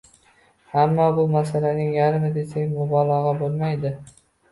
ammo bu — masalaning yarmi desak, mubolag‘a bo‘lmaydi.